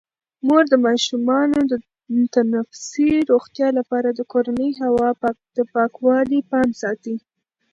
مور د ماشومانو د تنفسي روغتیا لپاره د کورني هوا د پاکوالي پام ساتي.